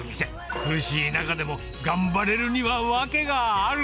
苦しい中でも頑張れるにはわけがある。